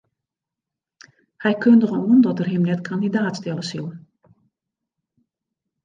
Hy kundige oan dat er him net kandidaat stelle sil.